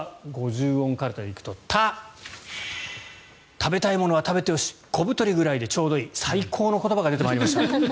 ５０音かるた、「た」「食べたいものは食べてよし小太りくらいでちょうどいい」最高の言葉が出てまいりました。